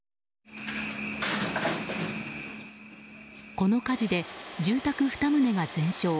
この火事で住宅２棟が全焼。